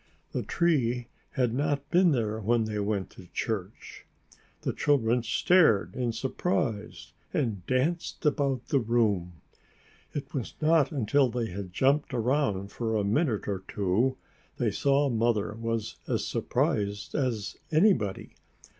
The tree had not been there when they went to church! The children stared in surprise and danced about the room. It was not until they had jumped around for a minute or two that they saw Mother was as surprised as anybody.